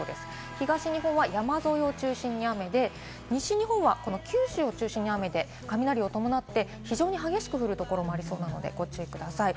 東日本は山沿いを中心に雨で、西日本は九州を中心に雨で、雷を伴って非常に激しく降るところもあるのでご注意ください。